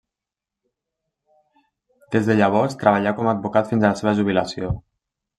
Des de llavors treballà com a advocat fins a la seva jubilació.